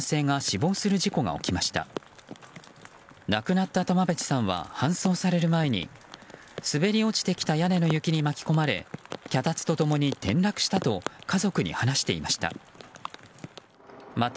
亡くなった苫米地さんは搬送される前に滑り落ちてきた雪に巻き込まれて脚立と共に転落したと家族に話していました。